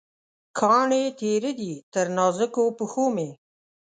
کاڼې تېره دي، تر نازکو پښومې